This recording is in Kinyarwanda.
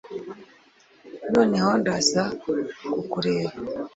noneho ndaza kukureba